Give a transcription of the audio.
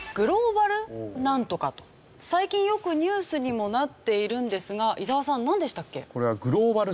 最近よくニュースにもなっているんですが伊沢さんなんでしたっけ？